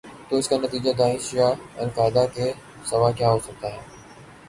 تواس کا نتیجہ داعش یا القاعدہ کے سوا کیا ہو سکتا ہے؟